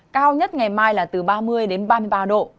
cao nhất ngày mai là từ ba mươi đến ba mươi ba độ